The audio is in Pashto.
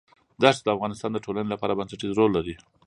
دښتې د افغانستان د ټولنې لپاره بنسټيز رول لري.